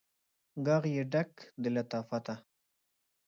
ږغ یې ډک د لطافته